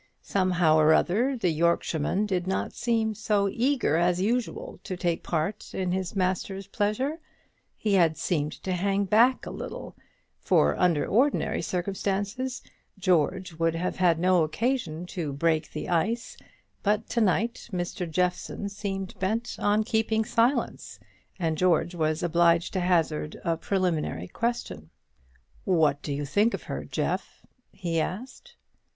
Somehow or other, the Yorkshireman did not seem so eager as usual to take his part in his master's pleasure; he had seemed to hang back a little; for, under ordinary circumstances, George would have had no occasion to break the ice. But to night Mr. Jeffson seemed bent on keeping silence, and George was obliged to hazard a preliminary question. "What do you think of her, Jeff?" he asked.